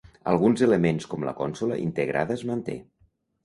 Alguns elements com la consola integrada es manté.